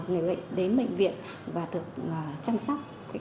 người bệnh đến bệnh viện và được chăm sóc